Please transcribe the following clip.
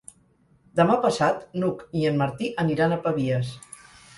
Demà passat n'Hug i en Martí aniran a Pavies.